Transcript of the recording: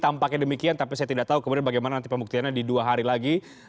tampaknya demikian tapi saya tidak tahu kemudian bagaimana nanti pembuktiannya di dua hari lagi